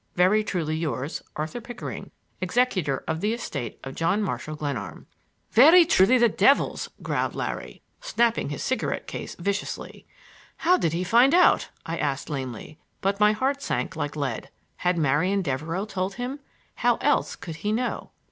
Very truly yours, Arthur Pickering, Executor of the Estate of John Marshall Glenarm. "Very truly the devil's," growled Larry, snapping his cigarette case viciously. "How did he find out?" I asked lamely, but my heart sank like lead. Had Marian Devereux told him! How else could he know?